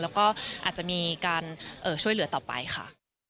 แล้วก็อาจจะมีการช่วยเหลือต่อไปค่ะ